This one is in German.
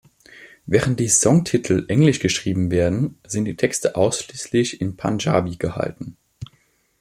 Während die Songtitel englisch geschrieben werden, sind die Texte ausschließlich in Panjabi gehalten.